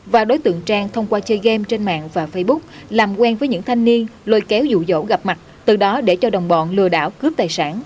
và đối tượng trang thông qua chơi game trên mạng và facebook làm quen với những thanh niên lôi kéo dụ dỗ gặp mặt từ đó để cho đồng bọn lừa đảo cướp tài sản